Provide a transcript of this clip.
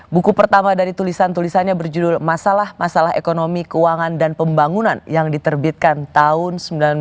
buku pertama dari tulisan tulisannya berjudul masalah masalah ekonomi keuangan dan pembangunan yang diterbitkan tahun seribu sembilan ratus sembilan puluh